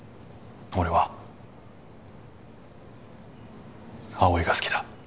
俺は葵が好きだ。